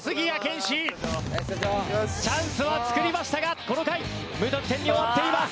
チャンスは作りましたがこの回無得点に終わっています。